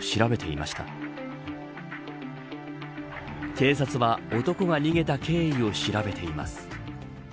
警察は男が逃げた経緯を調べています。